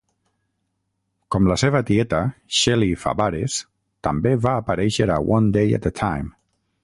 Com la seva tieta, Shelley Fabares també va aparèixer a "One Day at a Time".